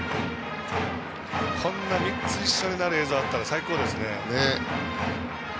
３つ一緒になる映像があったら最高ですね。